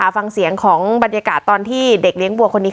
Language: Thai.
ฟังเสียงของบรรยากาศตอนที่เด็กเลี้ยงวัวคนนี้